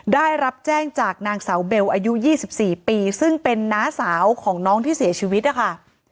ได้รับแจ้งจากนางสาวเบลอายุ๒๔ปีซึ่งเป็นน้าสาวของน้องที่เสียชีวิตนะคะ